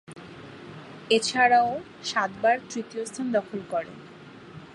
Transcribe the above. এছাড়াও, সাতবার তৃতীয় স্থান দখল করে।